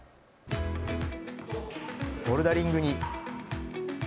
ボルダリングに。